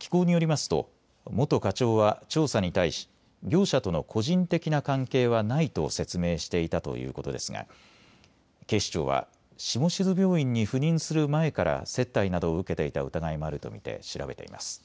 機構によりますと元課長は調査に対し業者との個人的な関係はないと説明していたということですが警視庁は下志津病院に赴任する前から接待などを受けていた疑いもあると見て調べています。